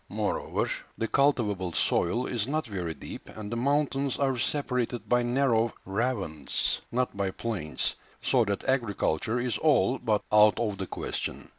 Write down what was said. Moreover, the cultivable soil is not very deep, and the mountains are separated by narrow ravines, not by plains, so that agriculture is all but out of the question.